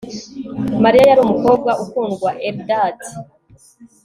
Mariya yari umukobwa ukundwa Eldad